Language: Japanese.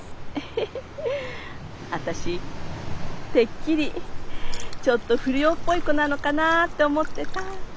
私てっきりちょっと不良っぽい子なのかなって思ってた。